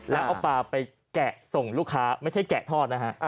แล้วเอาปลาไปแกะส่งลูกค้าไม่ใช่แกะทอดนะฮะ